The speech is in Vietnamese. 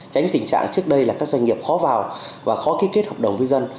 tránh tình trạng trước đây là các doanh nghiệp khó vào và khó ký kết hợp đồng với dân